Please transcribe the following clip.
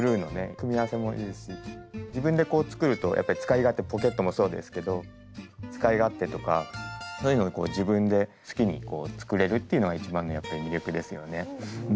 組み合わせもいいし自分でこう作るとやっぱ使い勝手もポケットもそうですけど使い勝手とかそういうのをこう自分で好きにこう作れるっていうのが一番のやっぱり魅力ですよね。